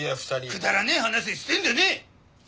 くだらねえ話してんでねえ！